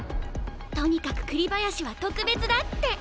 とにかく栗林は特別だって。